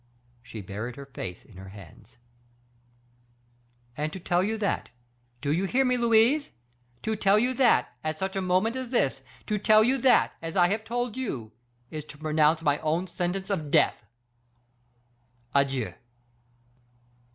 _" She buried her face in her hands. "And to tell you that do you hear me, Louise? to tell you that, at such a moment as this, to tell you that, as I have told you, is to pronounce my own sentence of death. Adieu!"